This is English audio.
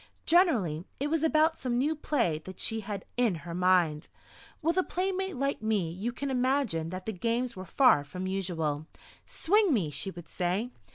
Generally it was about some new play that she had in her mind. With a playmate like me you can imagine that the games were far from usual! "Swing me!" she would say.